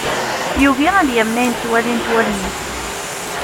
Yugi ad yamen ayen ttwalint wallen-is.